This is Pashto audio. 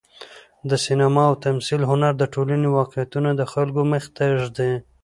د سینما او تمثیل هنر د ټولنې واقعیتونه د خلکو مخې ته ږدي.